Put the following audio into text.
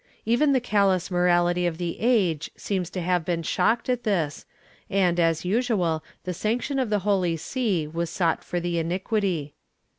Even the callous morahty of the age seems to have been shocked at this and, as usual, the sanction of the Holy See was sought for the iniquity.